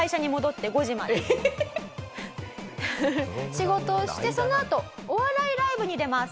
仕事をしてそのあとお笑いライブに出ます。